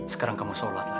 sekarang kamu sholatlah